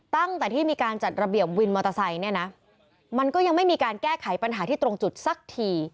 ตั้งแต่ที่มีการจัดระเบียบวินมอเตอร์ไซค์เนี่ยนะมันก็ยังไม่มีการแก้ไขปัญหาที่ตรงจุดสักที